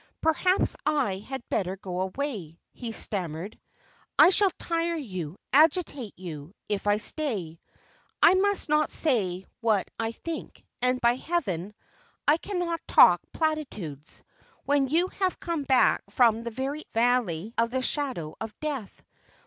"Perhaps I had better go away," he stammered. "I shall tire you, agitate you, if I stay. I must not say what I think, and, by Heaven, I cannot talk platitudes, when you have come back from the very valley of the shadow of death.